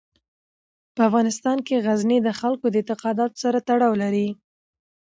په افغانستان کې غزني د خلکو د اعتقاداتو سره تړاو لري.